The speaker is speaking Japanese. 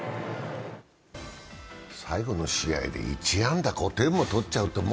最後の試合で１安打５点も取っちゃうって。